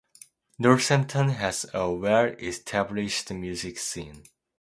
Northampton has a well-established music scene.